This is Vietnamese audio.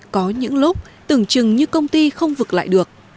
có những lúc tưởng chừng như công ty không vực lại được